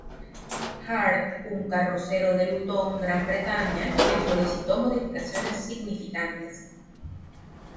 Hart -un carrocero de Luton, Gran Bretaña- quien solicitó modificaciones significantes.